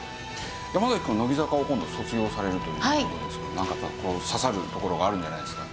山崎くん乃木坂を今度卒業されるという事ですけどなんかこう刺さるところがあるんじゃないですか？